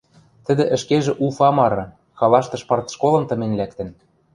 Тӹдӹ ӹшкежӹ Уфа мары, халаштыш партшколым тымень лӓктӹн.